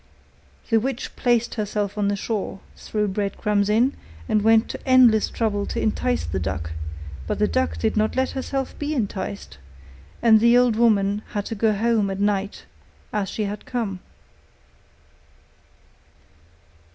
The witch placed herself on the shore, threw breadcrumbs in, and went to endless trouble to entice the duck; but the duck did not let herself be enticed, and the old woman had to go home at night as she had come.